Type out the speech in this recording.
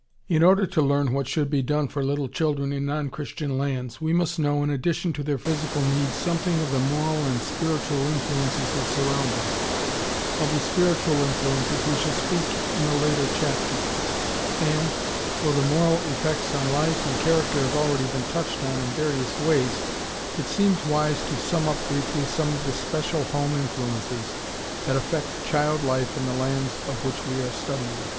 ] In order to learn what should be done for little children in non Christian lands, we must know in addition to their physical needs something of the moral and spiritual influences that surround them. Of the spiritual influences we shall speak in a later chapter, and, though the moral effects on life and character have already been touched on in various ways, it seems wise to sum up briefly some of the special home influences that affect child life in the lands of which we are studying.